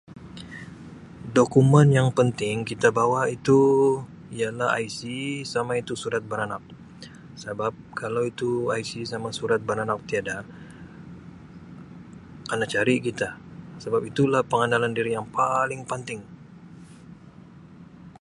Dokumen yang penting kita bawa itu ialah IC sama itu surat beranak sabab kalau itu IC sama surat beranak tiada kena cari kita sebab itulah pengenalan diri yang paling panting.